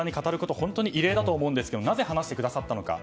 本当に異例だと思いますがなぜ話してくださったのか。